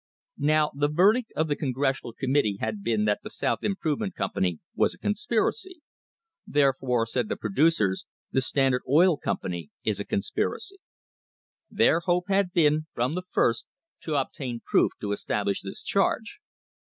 Now the verdict of the Congressional Committee had been that the South Improvement Company was a con spiracy. Therefore, said the producers, the Standard Oil Com pany is a conspiracy. Their hope had been, from the first, to obtain proof to establish this charge.